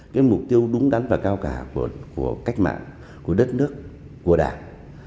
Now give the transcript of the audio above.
cái mục tiêu đúng đắn và cao cả của cách mạng của đất nước của đảng